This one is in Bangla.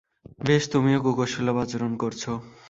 বেশ, তুমিও কুকুরসুলভ আচরণ করছো।